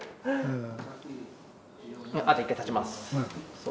あと一回立ちます。